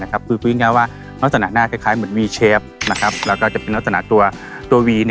คือพูดง่ายว่าลักษณะหน้าคล้ายเหมือนวีเชฟแล้วก็จะเป็นลักษณะตัววี